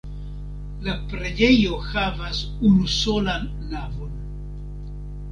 La preĝejo havas unusolan navon.